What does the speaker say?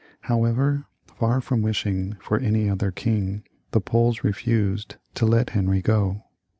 However, far from wishing for any other king, the Poles refused to let Henry go.